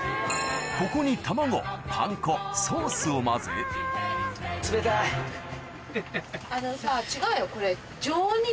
ここに卵パン粉ソースを混ぜあのさ違うよこれ。